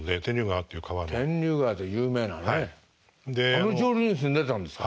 あの上流に住んでたんですか？